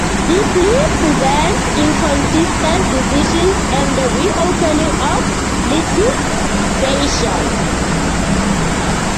The plea prevents inconsistent decisions and the reopening of litigation.